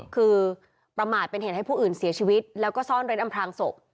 คือประมาทเป็นเหตุให้ผู้อื่นเสียชีวิตแล้วก็ซ่อนเร้นอำพลางศพ